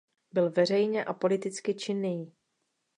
Byl veřejně a politicky činný.